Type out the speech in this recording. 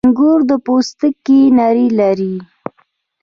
• انګور پوستکی نری لري.